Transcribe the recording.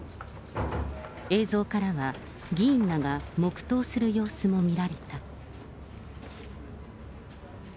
映像からは、議員らが黙とうする様子も見られた。